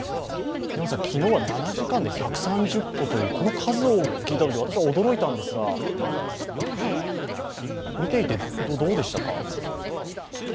昨日は７時間で１３０個という数を聞いたとき、私は驚いたんですが見ていてどうでしたか？